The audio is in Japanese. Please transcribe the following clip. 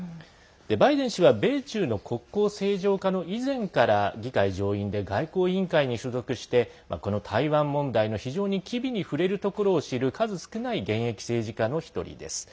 バイデン氏は米中の国交正常化の以前から議会上院で外交委員会に所属してこの台湾問題の非常に機微に触れるところを知る数少ない現役政治家の１人です。